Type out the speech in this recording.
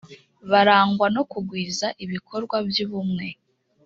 barangwa no kugwiza ibikorwa by ubumwe